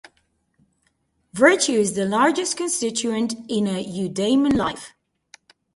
Virtue is the largest constituent in a eudaimon life.